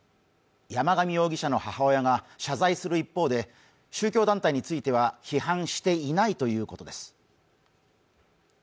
山上容疑者の母親が謝罪する一方で、宗教団体については批判していないということです。